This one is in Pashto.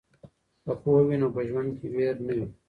که پوهه وي نو په ژوند کې ویر نه وي.